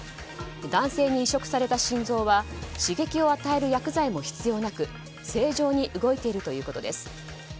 男性に移植された心臓は刺激を与える薬剤も必要なく正常に動いているということです。